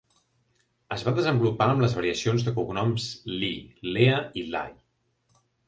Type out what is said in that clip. Es va desenvolupar amb les variacions de cognoms Lee, Lea i Leigh.